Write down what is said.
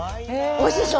おいしいでしょ？